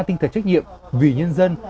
tinh thần trách nhiệm vì nhân dân